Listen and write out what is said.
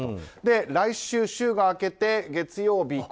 来週週が明けて月曜日